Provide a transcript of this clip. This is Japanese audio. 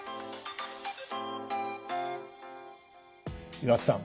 岩田さん